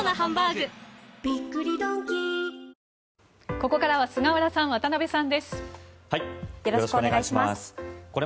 ここからは菅原さん、渡辺さんです。